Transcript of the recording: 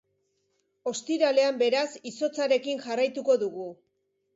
Ostiralean, beraz, izotzarekin jarraituko dugu.